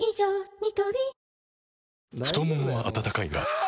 ニトリ太ももは温かいがあ！